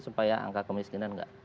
supaya angka kemiskinan tidak